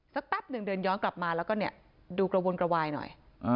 แป๊บหนึ่งเดินย้อนกลับมาแล้วก็เนี่ยดูกระวนกระวายหน่อย